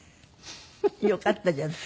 よかったじゃない。